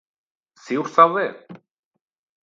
Ziur zaude?